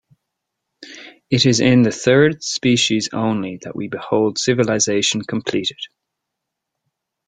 It is in the third species only that we behold civilization completed.